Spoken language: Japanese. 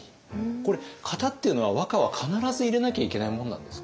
これ型っていうのは和歌は必ず入れなきゃいけないものなんですか？